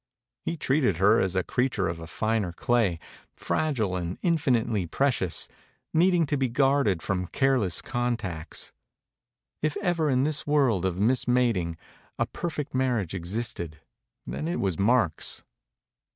He treated her as a creature of a finer clay, fragile and infinitely pre cious, needing to be guarded from careless con tacts. If ever in this world of m ism a ting a per fect marriage existed, then it was Mark's.